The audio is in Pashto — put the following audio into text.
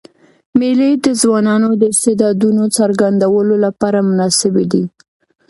مېلې د ځوانانو د استعدادونو څرګندولو له پاره مناسبي دي.